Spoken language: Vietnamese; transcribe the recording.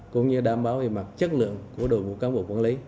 cũng như đảm bảo về mặt chất lượng của đội ngũ cán bộ quản lý